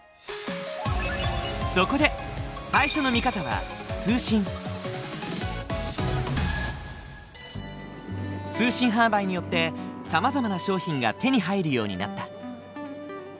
そこで最初の見方は通信販売によってさまざまな商品が手に入るようになった。